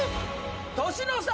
年の差！